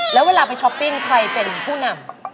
แล้วเวลาไปช้อปปิ้งใครเป็นผู้นำ